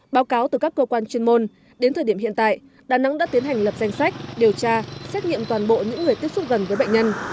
báo cáo từ các cơ quan chuyên môn đến thời điểm hiện tại đà nẵng đã tiến hành lập danh sách điều tra xét nghiệm toàn bộ những người tiếp xúc gần với bệnh nhân